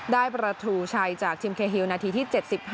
ได้ประตูชัยจากทิมเคฮิลนาทีที่๗๕